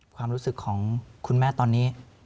ความรู้สึกของคุณแม่ตอนนี้